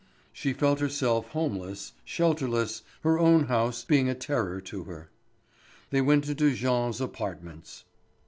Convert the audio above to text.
She felt herself homeless, shelterless, her own house being a terror to her. They went into Jean's apartments.